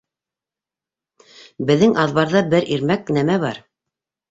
- Беҙҙең аҙбарҙа бер ирмәк нәмә бар.